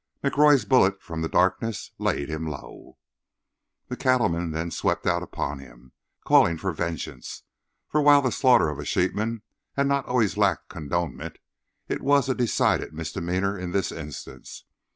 McRoy's bullet from the darkness laid him low. The cattlemen then swept out upon him, calling for vengeance, for, while the slaughter of a sheepman has not always lacked condonement, it was a decided misdemeanour in this instance.